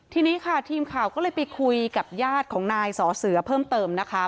ทีนี้ค่ะทีมข่าวก็เลยไปคุยกับญาติของนายสอเสือเพิ่มเติมนะคะ